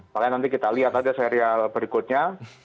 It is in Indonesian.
makanya nanti kita lihat aja serial berikutnya